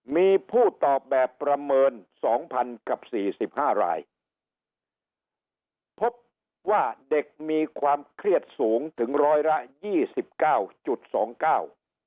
มีผู้ตอบแบบประเมินสองพันกับสี่สิบห้ารายพบว่าเด็กมีความเครียดสูงถึงร้อยละยี่สิบเก้าจุดสองเก้า